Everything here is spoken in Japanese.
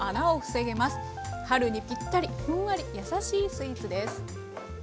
春にぴったりふんわり優しいスイーツです。